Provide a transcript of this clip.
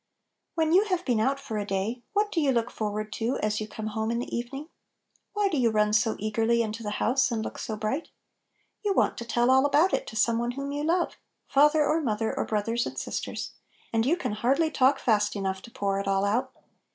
WHEN you have been out for a day, what do you look forward to aa you come home in the evening? Why do you run so eagerly into the house, and look so bright? You want to tell "all about it" to some one whom you love, — father, or mother, or brothers and sisters; and you can hardly talk fast enough to pour it all out.